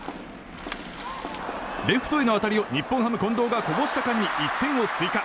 レフトへの当たりを日本ハム、近藤がこぼした間に１点を追加。